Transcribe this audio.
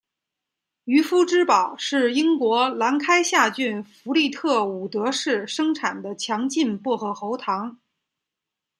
渔夫之宝是英国兰开夏郡弗利特伍德市生产的强劲薄荷喉糖。